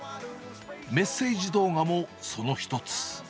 メッセージ動画もその一つ。